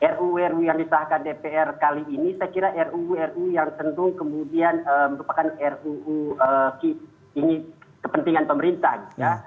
ruu ruu yang disahkan dpr kali ini saya kira ruu ruu yang sendung kemudian merupakan ruu kepentingan pemerintah